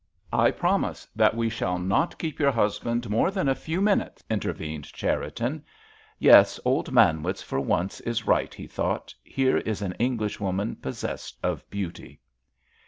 "I promise we shall not keep your husband more than a few minutes," intervened Cherriton. "Yes, old Manwitz for once is right," he thought; "here is an Englishwoman possessed of beauty."